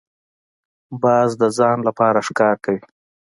باز د ځان لپاره ښکار کوي